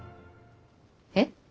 えっ？